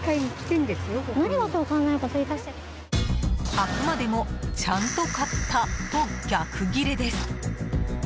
あくまでもちゃんと買ったと逆ギレです。